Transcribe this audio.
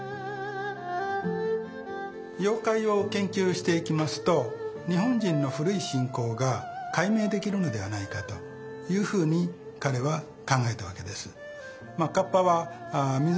妖怪を研究していきますと日本人の古い信仰が解明できるのではないかというふうに彼は考えたわけです。